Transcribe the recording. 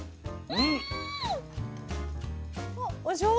うん！